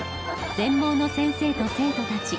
全盲の先生と生徒たち。